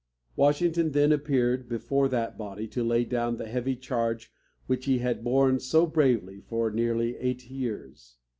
Washington then appeared before that body to lay down the heavy charge which he had borne so bravely for nearly eight years.